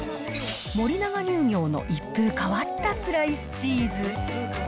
森永乳業の一風変わったスライスチーズ。